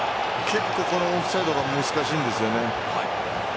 結構このオフサイドが難しいんですよね。